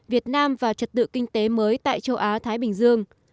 việt nam và trật tự kinh tế mới tại châu á thái bình dương